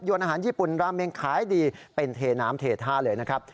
อาหารญี่ปุ่นราเมงขายดีเป็นเทน้ำเทท่าเลยนะครับ